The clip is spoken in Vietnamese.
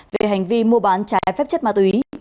về hành vi mua bán trái phép chất ma túy